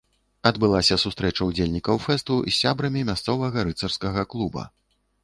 Адбылася сустрэча ўдзельнікаў фэсту з сябрамі мясцовага рыцарскага клуба.